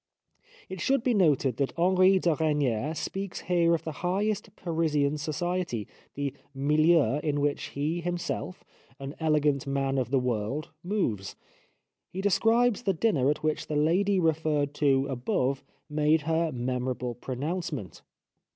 It should be noted that Henri de Regnier speaks here of the highest Parisian society, the milieu in which he himself, an elegant man of the world, moves. He describes the dinner at which the lady referred to above made her memorable pronouncement.